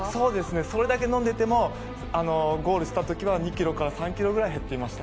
それだけ飲んでいてもゴールした時は２ｋｇから３ｋｇぐらい減っていました。